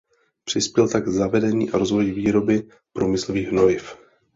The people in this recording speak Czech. Přispěl tak k zavedení a rozvoji výroby průmyslových hnojiv.